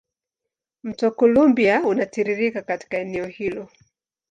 Mto Columbia unatiririka katika eneo hilo.